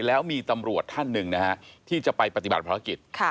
แล้วมีตำรวจท่านหนึ่งนะฮะที่จะไปปฏิบัติภารกิจ